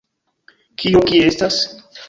Kio, kie estas?